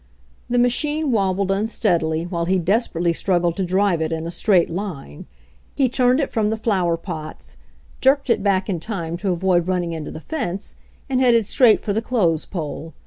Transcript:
The machine wobbled unsteadily, while he des perately struggled to drive it in a straight line. He turned it from the flower pots, jerked it back in time to avoid running into the fence, and headed straight for the clothes pole.